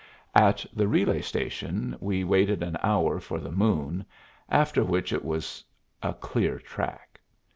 At the relay station we waited an hour for the moon, after which it was a clear track.